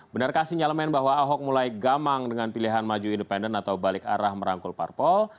benarkah sinyalemen bahwa ahok mulai gamang dengan pilihan maju independen atau balik arah merangkul parpol